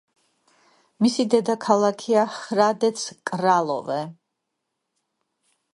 მისი დედაქალაქია ჰრადეც-კრალოვე.